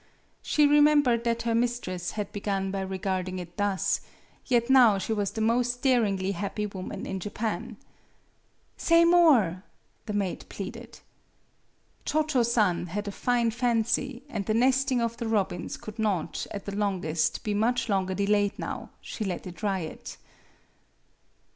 She remembered that her mistress had begun by regarding it thus; yet now she was the most daringly happy woman in Japan. "Say more," the maid pleaded. Cho Cho San had a fine fancy, and the nesting of the robins could not, at the long est, be much longer delayed now; she let it riot.